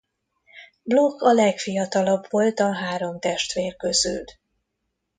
Bloch a legfiatalabb volt a három testvér közül.